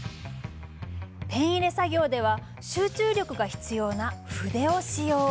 ペン入れ作業では集中力が必要な筆を使用。